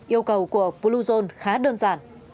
yêu cầu của bluezone khá đơn giản